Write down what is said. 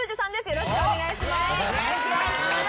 よろしくお願いします。